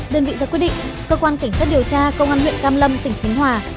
đơn vị ra quyết định cơ quan cảnh sát điều tra công an huyện cam lâm tỉnh khánh hòa